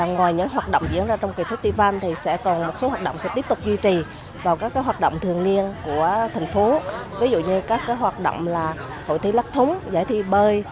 ngoài những hoạt động diễn ra trong kỳ festival thì sẽ còn một số hoạt động sẽ tiếp tục duy trì vào các hoạt động thường niên của thành phố ví dụ như các hoạt động là hội thi lắc thúng giải thi bơi